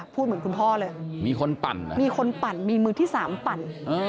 พูดเหมือนคุณพ่อเลยมีคนปั่นมีคนปั่นมีมือที่สามปั่น